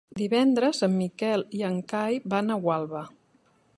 Divendres en Miquel i en Cai van a Gualba.